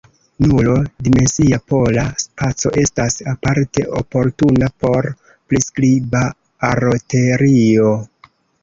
Nulo-dimensia pola spaco estas aparte oportuna por priskriba aroteorio.